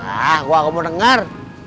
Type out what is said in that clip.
ah gue gak mau denger